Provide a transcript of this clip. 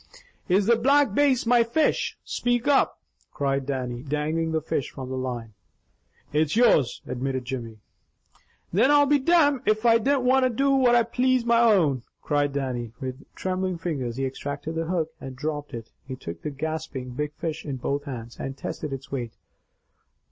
"Is the Black Bass my fish? Speak up!" cried Dannie, dangling the fish from the line. "It's yours," admitted Jimmy. "Then I'll be damned if I dinna do what I please wi' my own!" cried Dannie. With trembling fingers he extracted the hook, and dropped it. He took the gasping big fish in both hands, and tested its weight.